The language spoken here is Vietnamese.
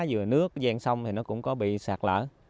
dừa nước gian sông thì nó cũng có bị sạt lở